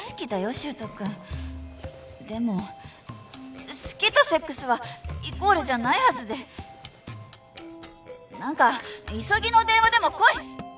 柊人君でも好きとセックスはイコールじゃないはずで何か急ぎの電話でも来い！